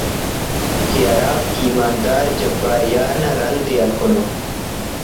کہ ہرافک ایماندار جبار یار نا رند ءِ ہلکنو